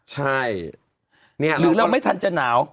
ใช่หรือเราไม่ทันจะหนาว